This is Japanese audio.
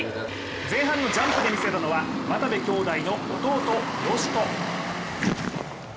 前半のジャンプで見せたのは渡部兄弟の弟・善斗。